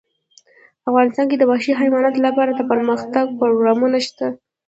افغانستان کې د وحشي حیواناتو لپاره دپرمختیا پروګرامونه شته.